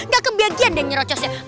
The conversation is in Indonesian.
gak kebagian deh nyerocosnya